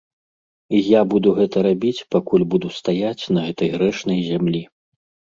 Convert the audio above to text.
І я буду гэта рабіць, пакуль буду стаяць на гэтай грэшнай зямлі.